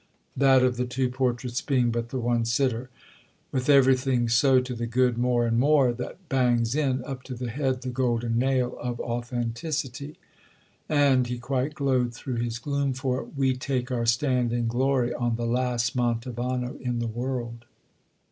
"That of the two portraits being but the one sitter. With everything so to the good, more and more, that bangs in, up to the head, the golden nail of authenticity, and"—he quite glowed through his gloom for it—"we take our stand in glory on the last Mantovano in the world."